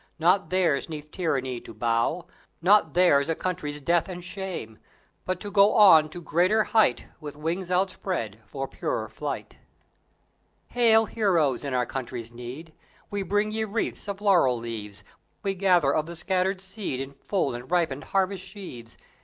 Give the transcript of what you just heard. Not theirs 'neath tyranny to bow; Not theirs a country's death and shame; But to go on to greater height With wings outspread for purer flight. Hail heroes in our country's need! We bring ye wreathes of laurel leaves; We gather of the scattered seed In full and ripened harvest sheaves.